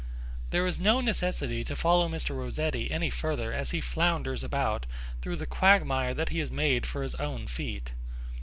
There is no necessity to follow Mr. Rossetti any further as he flounders about through the quagmire that he has made for his own feet.